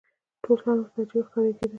ټول شیان ورته عجیبه ښکاره کېدل.